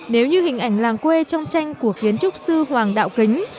nếu như hình ảnh làng quê trong tranh của kiến trúc sư hoàng đạo kính